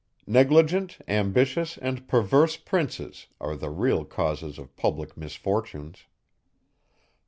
Negligent, ambitious, and perverse Princes are the real causes of public misfortunes.